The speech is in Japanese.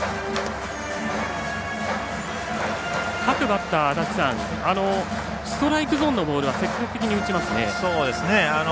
各バッターストライクゾーンのボールは積極的に打ちますね。